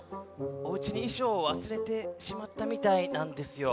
おうちにいしょうをわすれてしまったみたいなんですよ。